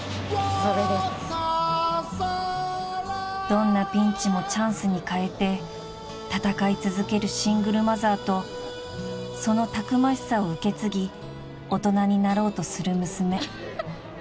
［どんなピンチもチャンスに変えて戦い続けるシングルマザーとそのたくましさを受け継ぎ大人になろうとする娘］